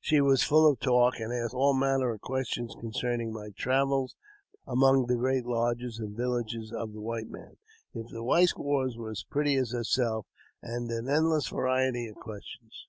She was full of talk, and asked all manner of questions concerning my travels among the great lodges and villages of the white man ; if the white squaws were as pretty as herself ; and an endless variety of questions.